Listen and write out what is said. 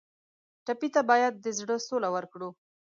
ټپي ته باید د زړه سوله ورکړو.